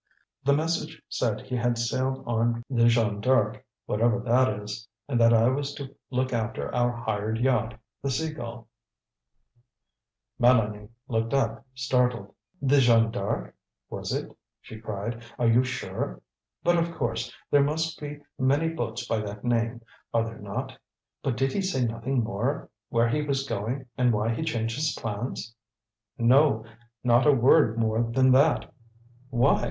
The message said he had sailed on the Jeanne D'Arc, whatever that is, and that I was to look after our hired yacht, the Sea Gull." Mélanie looked up, startled. "The Jeanne D'Arc, was it?" she cried. "Are you sure? But, of course there must be many boats by that name, are there not? But did he say nothing more where he was going, and why he changed his plans?" "No, not a word more than that. Why?